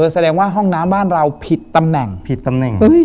แสดงว่าห้องน้ำบ้านเราผิดตำแหน่ง